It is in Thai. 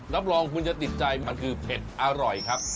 รับรองคุณจะติดใจมันคือเผ็ดอร่อยครับ